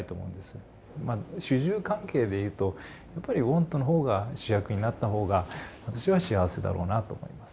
主従関係で言うとやっぱり「ｗａｎｔ」の方が主役になった方が私は幸せだろうなと思います。